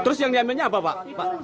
terus yang diambilnya apa pak